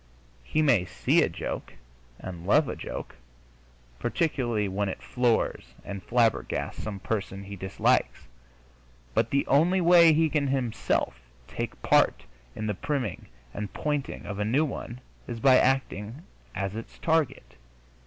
He may see a joke and love a joke, particularly when it floors and flabbergasts some person he dislikes, but the only way he can himself take part in the priming and pointing of a new one is by acting as its target.